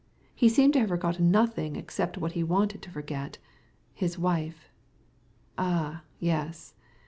It appeared that he had forgotten nothing except what he wanted to forget—his wife. "Ah, yes!"